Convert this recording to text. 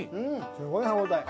すごい歯応え。